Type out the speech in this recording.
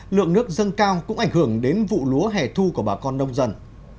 lượng nước dâng cao cũng ảnh hưởng đến vụ lúa hẻ thu của bà con nông dân